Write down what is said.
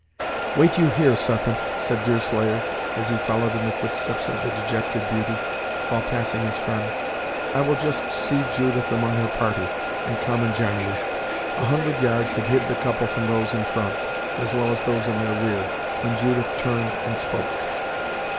"Wait you here, Sarpent," said Deerslayer as he followed in the footsteps of the dejected beauty, while passing his friend. "I will just see Judith among her party, and come and j'ine you." A hundred yards had hid the couple from those in front, as well as those in their rear, when Judith turned, and spoke.